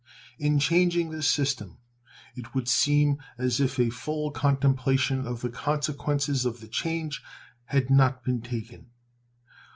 In changing the system it would seem as if a full contemplation of the consequences of the change had not been taken.